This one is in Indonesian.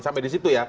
sampai disitu ya